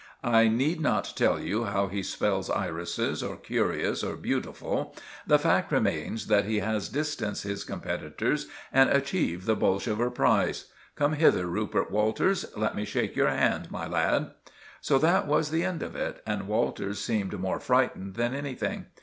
I need not tell you how he spells 'irises,' or 'curious,' or 'beautiful.' The fact remains that he has distanced his competitors and achieved the 'Bolsover' prize. Come hither, Rupert Walters. Let me shake your hand, my lad!" So that was the end of it, and Walters seemed more frightened than anything.